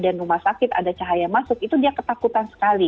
dan rumah sakit ada cahaya masuk itu dia ketakutan sekali